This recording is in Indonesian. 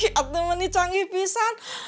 ih atuh menih canggih bisan